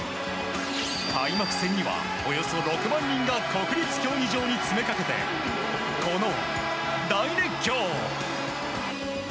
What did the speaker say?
開幕戦にはおよそ６万人が国立競技場に詰め掛けてこの大熱狂。